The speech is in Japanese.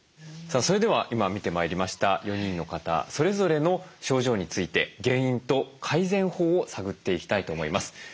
さあそれでは今見てまいりました４人の方それぞれの症状について原因と改善法を探っていきたいと思います。